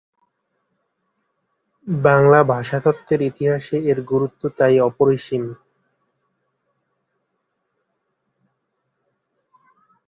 বাংলা ভাষাতত্ত্বের ইতিহাসে এর গুরুত্ব তাই অপরিসীম।